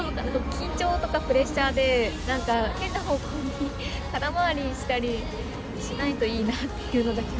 緊張とかプレッシャーで何か変な方向に空回りしたりしないといいなっていうのだけは思っています。